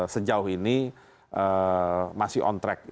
sejauh ini masih on track